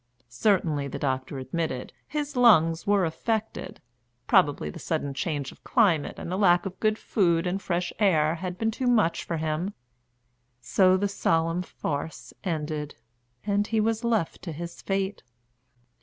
Certainly, the doctor admitted, his lungs were affected; probably the sudden change of climate and the lack of good food and fresh air had been too much for him; so the solemn farce ended, and he was left to his fate.